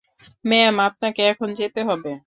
Ma'am, আপনাকে এখন যেতে হবে।